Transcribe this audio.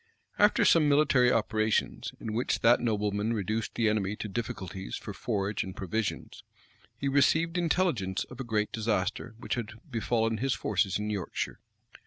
[*] After some military operations, in which that nobleman reduced the enemy to difficulties for forage and provisions, he received intelligence of a great disaster which had befallen his forces in Yorkshire.